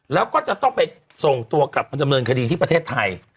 แล้วก็จะต้องไปส่งตัวกลับมาดำเนินคดีที่ประเทศไทย